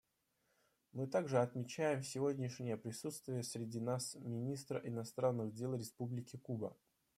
Мы также отмечаем сегодняшнее присутствие среди нас министра иностранных дел Республики Куба.